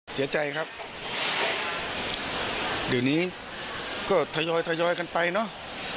เสียใจครับริวดีดีก็ท๋อยอยท๋อยอยกันไปเนอะ